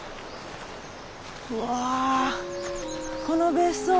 うわこの別荘